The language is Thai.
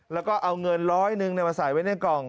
แล้วก็เอาเงินร้อยหนึ่งมาใส่ไว้ในกล่อง